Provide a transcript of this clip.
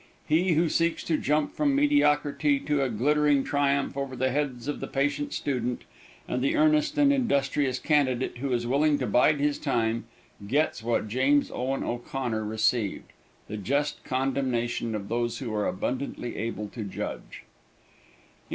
He who seeks to jump from mediocrity to a glittering triumph over the heads of the patient student, and the earnest, industrious candidate who is willing to bide his time, gets what James Owen O'Connor received the just condemnation of those who are abundantly able to judge.